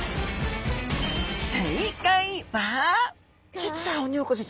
実はオニオコゼちゃん